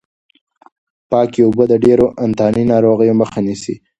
پاکې اوبه د ډېرو انتاني ناروغیو مخه نیسي.